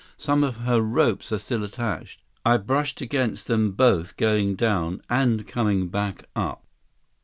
Some of her ropes are still attached. I brushed against them both going down and coming back up."